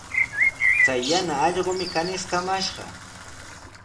Chay yana allqumi kaniskamashqa.